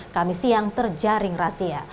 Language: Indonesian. kami siang terjaring rahasia